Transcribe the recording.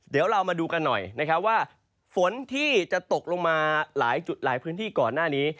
เดี๋ยวเรามาดูกันหน่อยว่าฝนที่จะตกลงมาหลายพื้นที่ก่อนหน้านี้